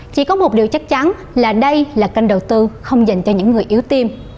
chỉ có một điều chắc chắn là đây là kênh đầu tư không dành cho những người yếu tiêm